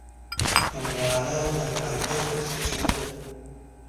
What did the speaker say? هندوانه د فایبر ښه سرچینه ده.